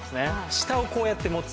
下をこうやって持つ。